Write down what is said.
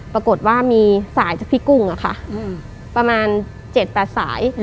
ปรากฏว่ามีสายจากพี่กุ้งประมาณ๗๘สาย